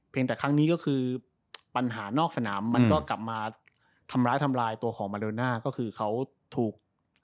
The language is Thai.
แต่ครั้งนี้ก็คือปัญหานอกสนามมันก็กลับมาทำร้ายทำลายตัวของมาโดน่าก็คือเขาถูก